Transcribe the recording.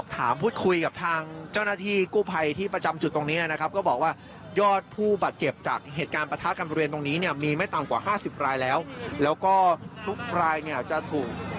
พูดคุยกับทางเจ้าหน้าที่กู้ภัยที่ประจำจุดตรงนี้นะครับก็บอกว่ายอดผู้บาดเจ็บจากเหตุการณ์ประทะกันบริเวณตรงนี้เนี่ยมีไม่ต่ำกว่า๕๐รายแล้วแล้วก็ทุกรายเนี่ยจะถูก